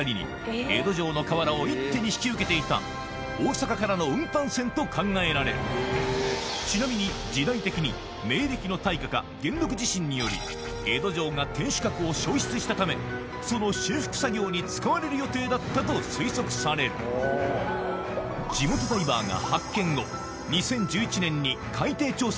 この沈没船はと考えられるちなみに時代的に明暦の大火か元禄地震により江戸城が天守閣を焼失したためその修復作業に使われる予定だったと推測される瓦とかあんな。